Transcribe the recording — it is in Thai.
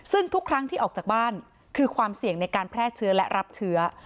ซึ่งทุกครั้งที่ออกจากบ้านคือความเสี่ยงในการแพร่เชื้อและรับเชื้อ